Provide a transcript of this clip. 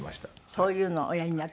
そういうのをおやりになって。